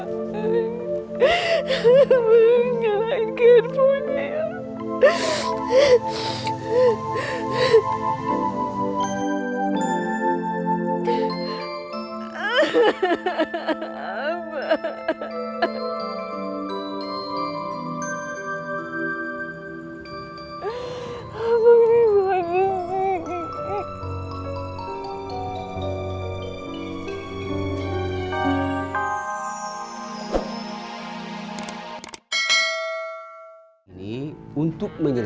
sampai jumpa di video selanjutnya